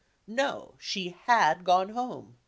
No! She had gone home.